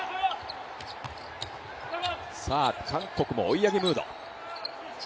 韓国も追い上げムード。